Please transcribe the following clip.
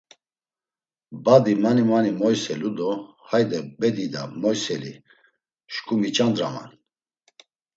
Badi mani mani moyselu do; hayde be dida moyseli, şǩu miç̌andraman!